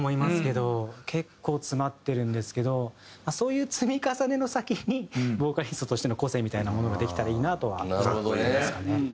結構詰まってるんですけどそういう積み重ねの先にボーカリストとしての個性みたいなものができたらいいなとは思ってますかね。